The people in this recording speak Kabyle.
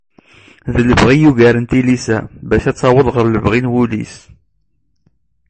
D lebɣi i yugaren tilisa bac ad taweḍ ɣer lebɣi n wul-is.